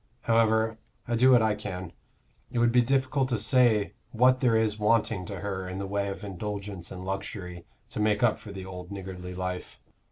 However, I do what I can; it would be difficult to say what there is wanting to her in the way of indulgence and luxury to make up for the old niggardly life."